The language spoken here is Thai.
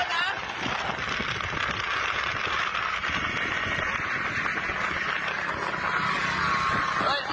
เฮ้ยเฮ้ยเฮ้ยหย่อดนี่